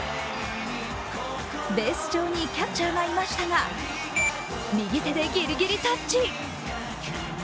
ベース上にキャッチャーがいましたが、右手でギリギリタッチ。